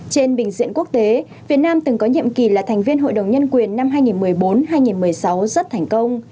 trên bình diện quốc tế việt nam từng có nhiệm kỳ là thành viên hội đồng nhân quyền năm hai nghìn một mươi bốn hai nghìn một mươi sáu rất thành công